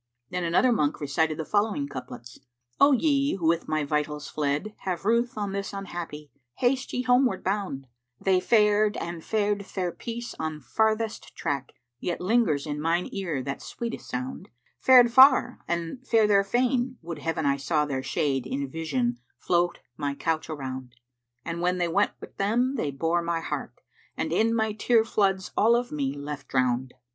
Then another monk recited the following couplets, "O ye who with my vitals fled, have ruth * On this unhappy: haste ye homeward bound: They fared, and fared fair Peace on farthest track * Yet lingers in mine ear that sweetest sound: Fared far, and far their fane; would Heaven I saw Their shade in vision float my couch around: And when they went wi' them they bore my heart * And in my tear floods all of me left drowned."